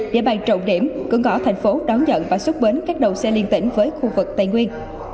địa bàn trọng điểm cửa ngõ thành phố đón nhận và xuất bến các đầu xe liên tỉnh với khu vực tây nguyên